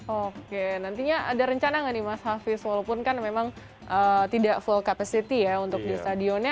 oke nantinya ada rencana nggak nih mas hafiz walaupun kan memang tidak full capacity ya untuk di stadionnya